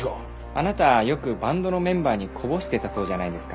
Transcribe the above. あなたよくバンドのメンバーにこぼしていたそうじゃないですか。